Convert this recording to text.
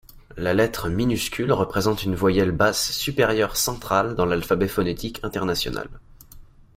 La lettre minuscule représente une voyelle basse supérieure centrale dans l'alphabet phonétique international.